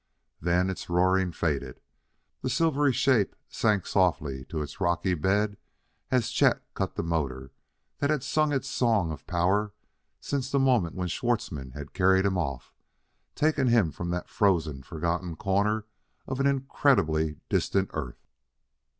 Then its roaring faded. The silvery shape sank softly to its rocky bed as Chet cut the motor that had sung its song of power since the moment when Schwartzmann had carried him off taken him from that frozen, forgotten corner of an incredibly distant Earth.